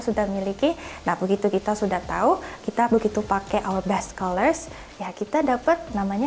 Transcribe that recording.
sudah miliki nah begitu kita sudah tahu kita begitu pakai our best scholars ya kita dapat namanya